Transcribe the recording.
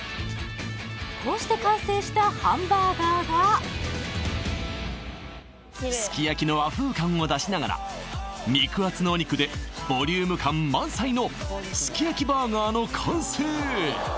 こうして完成したハンバーガーがすき焼きの和風感を出しながら肉厚のお肉でボリューム感満載のの完成